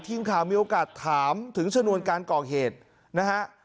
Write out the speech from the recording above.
ทีมข่าวมีโอกาสถามถึงชนวนการก่อเหตุนะฮะ